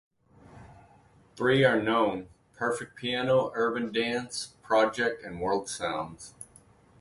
Three are known: Perfect Piano, Urban Dance Project and World Sounds.